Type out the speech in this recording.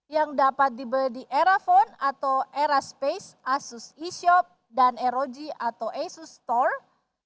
yang dapat dibeli di aerafone atau aeraspace asus eshop dan rog atau asus store